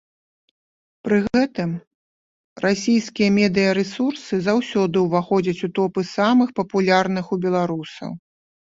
Пры гэтым расійскія медыярэсурсы заўсёды ўваходзяць у топы самых папулярных у беларусаў.